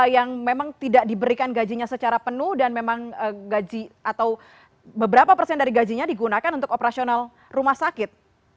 yang memang tidak diberikan gajinya secara penuh dan memang gaji atau beberapa persen dari gajinya digunakan untuk operasional rumah sakit